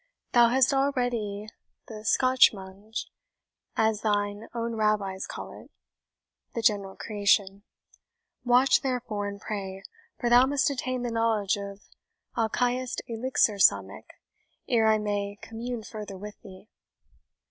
Thou hast already the SCHAHMAJM, as thine own Rabbis call it the general creation; watch, therefore, and pray, for thou must attain the knowledge of Alchahest Elixir Samech ere I may commune further with thee."